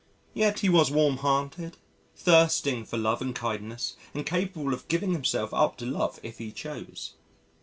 Yet he was warm hearted, thirsting for love and kindness and capable of giving himself up to love if he chose....